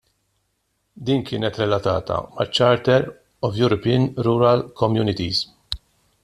Din kienet relatata maċ-Charter of European Rural Communities.